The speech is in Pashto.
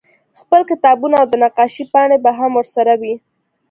خپل کتابونه او د نقاشۍ پاڼې به هم ورسره وې